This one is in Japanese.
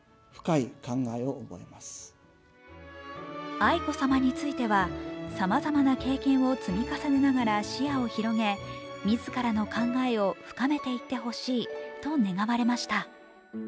愛子さまについては、さまざまな経験を積み重ねながら視野を広げ、自らの考えを深めていってほしいと願われました。